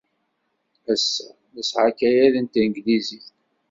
Ass-a, nesɛa akayad n tanglizit.